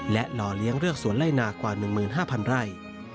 และหล่อเลี้ยงเลือกสวนไล่นากว่า๑๕๐๐ไร่